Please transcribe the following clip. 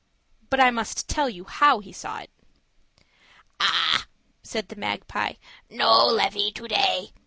But I must tell you how he saw it. "Ah," said the magpie, "no levee to day.